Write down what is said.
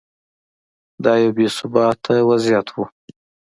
دا یو بې ثباته وضعیت و.